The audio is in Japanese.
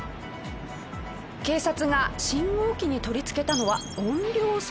警察が信号機に取り付けたのは音量測定器。